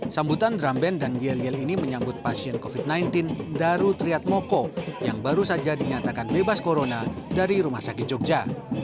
sambutan drum band dan yel yel ini menyambut pasien covid sembilan belas daru triatmoko yang baru saja dinyatakan bebas corona dari rumah sakit jogja